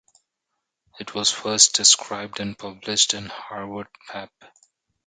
It was first described and published in Harvard Pap.